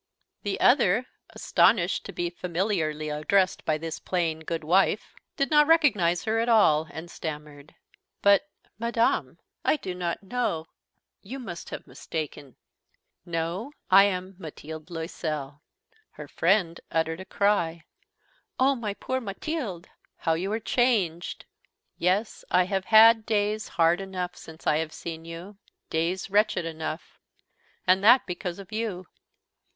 The other, astonished to be familiarly addressed by this plain good wife, did not recognize her at all, and stammered: "But madame! I do not know You must have mistaken." "No. I am Mathilde Loisel." Her friend uttered a cry. "Oh, my poor Mathilde! How you are changed!" "Yes, I have had days hard enough, since I have seen you, days wretched enough and that because of you!"